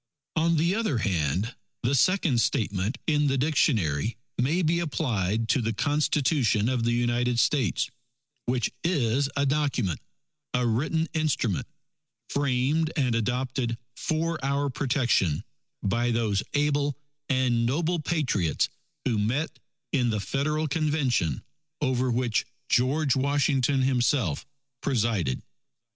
On the other hand, the second statement in the dictionary, may be applied to the Constitution of the United States, which is a Document, a written instrument, framed and adopted for our protection by those able and noble Patriots who met in the Federal Convention, over which George Washington himself presided.